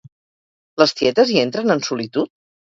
Les tietes hi entren en solitud?